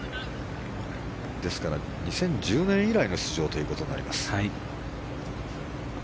ですから、２０１０年以来の出場ということになります。